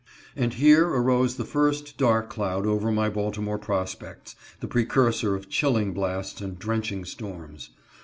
And here arose the first dark cloud over my Baltimore prospects, the precursor of chilling blasts and drenching storms.